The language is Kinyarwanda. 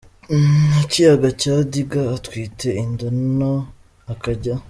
Nyakiyaga cya Ndiga atwite inda nto. Akajya